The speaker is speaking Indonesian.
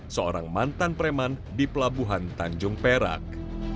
seorang mantan preman di pelabuhan tanjung perak